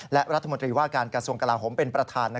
และรัฐมนตรีว่าการกระทรวงกลาโหมเป็นประธาน